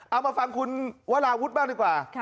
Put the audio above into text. เอามาฟังคุณวราวุฒิบ้างดีกว่า